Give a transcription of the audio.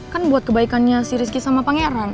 kan buat kebaikannya si rizky sama pangeran